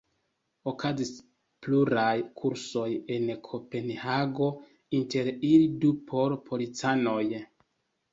Okazis pluraj kursoj en Kopenhago, inter ili du por policanoj.